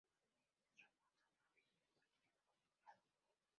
El intendente es Ramón Sanabria del Partido Colorado.